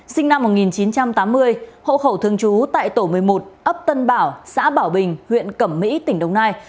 sinh năm một nghìn chín trăm tám mươi hộ khẩu thương chú tại tổ một mươi một ấp tân bảo xã bảo bình huyện cẩm mỹ tỉnh đồng nai